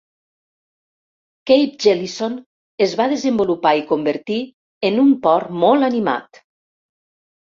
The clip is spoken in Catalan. Cape Jellison es va desenvolupar i convertir en un port molt animat.